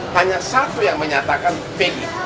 hanya satu yang menyatakan pg